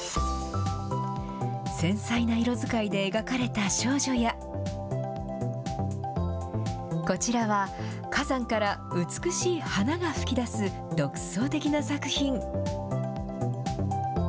繊細な色使いで描かれた少女や、こちらは、火山から美しい花が噴き出す独創的な作品。